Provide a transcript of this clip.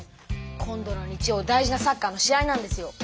今度の日曜大事なサッカーの試合なんですよ。